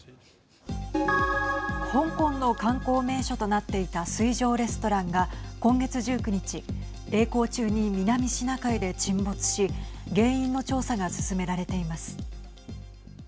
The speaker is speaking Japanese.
香港の観光名所となっていた水上レストランが今月１９日えい航中に南シナ海で沈没し原因の調査が進められています。